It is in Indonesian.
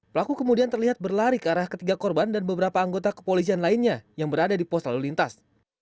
pelaku kemudian terlihat berlari ke arah ketiga korban dan beberapa anggota kepolisian lainnya yang berada di pos lalu lintas